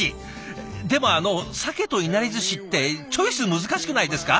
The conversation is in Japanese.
でもあのさけといなりずしってチョイス難しくないですか？